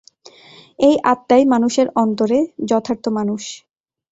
এই আত্মাই মানুষের অন্তরে যথার্থ মানুষ।